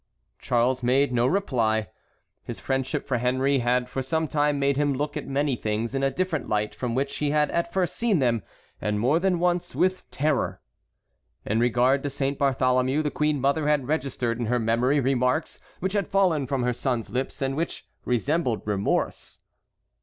Charles made no reply. His friendship for Henry had for some time made him look at many things in a different light from which he had at first seen them, and more than once with terror. In regard to Saint Bartholomew the queen mother had registered in her memory remarks which had fallen from her son's lips and which resembled remorse.